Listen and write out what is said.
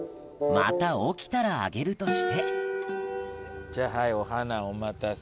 また起きたらあげるとしてじゃあはい。